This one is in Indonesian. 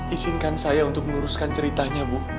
isinkan saya untuk menuruskan ceritanya bu